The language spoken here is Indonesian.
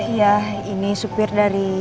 iya ini supir dari